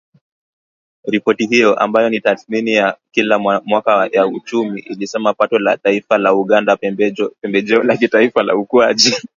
Ripoti hiyo, ambayo ni tathmini ya kila mwaka ya uchumi, ilisema pato la taifa la Uganda Pembejeo la Kitaifa la Ukuaji.